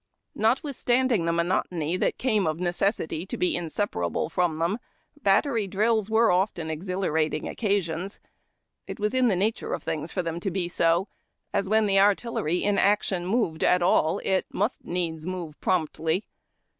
Notwithstanding the monotony that came of necessity to be inseparable from them, battery drills were often exhila rating occasions. It was in the nature of things for them to be so, as when the artillery in action moved at all it must needs move promptly.